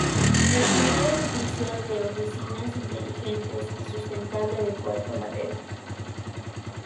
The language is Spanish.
El primer edificio de oficinas "inteligente" y sustentable de Puerto Madero.